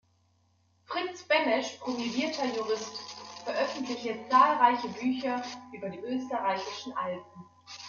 Fritz Benesch, promovierter Jurist, veröffentlichte zahlreiche Bücher über die österreichischen Alpen.